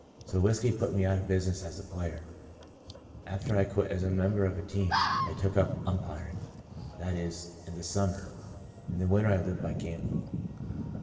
So whiskey put me out of busi ness as a player. After I quit as member of a team I took to umpiring — that is, in the summer; in the winter I lived by gambling.